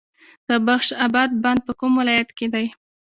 د بخش اباد بند په کوم ولایت کې دی؟